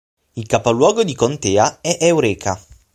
Il capoluogo di contea è Eureka.